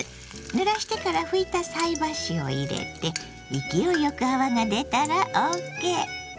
ぬらしてから拭いた菜箸を入れて勢いよく泡が出たらＯＫ。